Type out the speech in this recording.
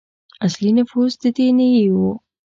اصلي نفوس د دې نیيي وو.